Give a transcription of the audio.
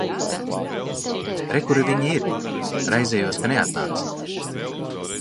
Re, kur viņa ir. Raizējos, ka neatnāksi.